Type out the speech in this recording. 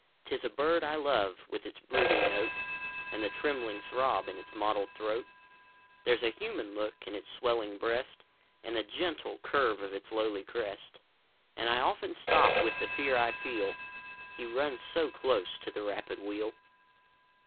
'Tis a bird I love, with its brooding note, And the trembling throb in its mottled throat ; There's a human look in its swellinor breast, And the gentle curve of its lowly crest ; And I often stop with the fear I feel — He runs so close to the rapid wheel.